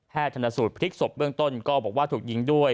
แพทย์ธนสูตรพฤทธิ์สบเบื้องต้นก็บอกว่าถูกยิงด้วย